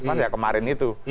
memang ya kemarin itu